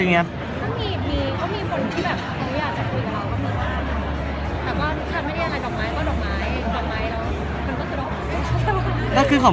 มีคนที่อยากนะคะุยกัเรา